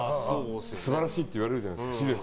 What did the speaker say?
素晴らしいって言われるじゃないですか。